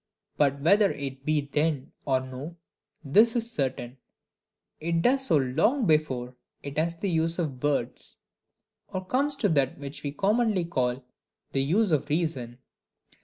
But whether it be then or no, this is certain, it does so long before it has the use of words; or comes to that which we commonly call "the use of reason."